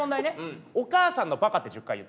「お母さんのバカ」って１０回言って。